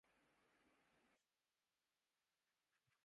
انتخابی نعرے، منشور اور وعدے، جس کی بنیاداور جڑ کی حیثیت رکھتے تھے۔